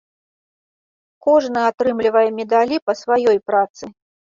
Кожны атрымлівае медалі па сваёй працы.